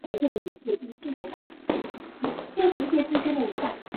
秦岭北玄参为玄参科玄参属下的一个变种。